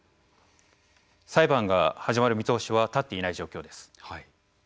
裁判が始まる見通しは立っていない状況です。